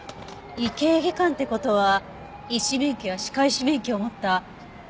医系技官って事は医師免許や歯科医師免許を持った国家公務員。